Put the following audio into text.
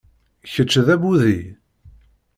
Kečč d abudi?